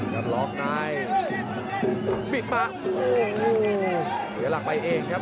ส่วนหน้านั้นอยู่ที่เลด้านะครับ